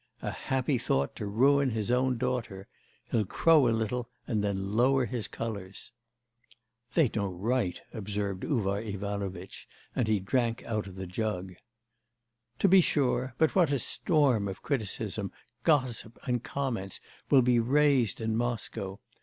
A happy thought to ruin his own daughter! He'll crow a little and then lower his colours.' 'They'd no right,' observed Uvar Ivanovitch, and he drank out of the jug. 'To be sure. But what a storm of criticism, gossip, and comments will be raised in Moscow!